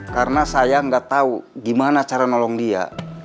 karena saya gak tahu gimana cara nolong dia